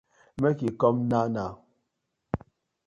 Mak yu com naw naw.